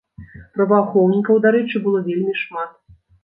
Праваахоўнікаў, дарэчы, было вельмі шмат.